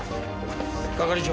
係長。